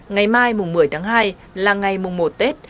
ngày mai một mươi tháng hai là ngày mùa một tết